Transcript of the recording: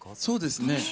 そうですね。